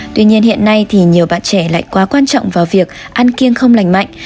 tuy nhiên hiện nay thì nhiều bạn trẻ lại quá quan trọng vào việc ăn kiêng không lành mạnh